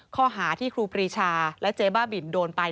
ข้อหาที่ครูปรีชาและเจ๊บ้าบินโดนไป